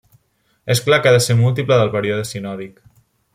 És clar que ha de ser múltiple del període sinòdic.